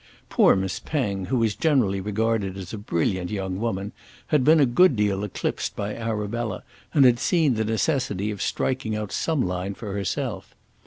Poor Miss Penge, who was generally regarded as a brilliant young woman, had been a good deal eclipsed by Arabella and had seen the necessity of striking out some line for herself.